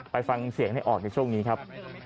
ไปฟังเสียงให้ออกในช่วงนี้ครับ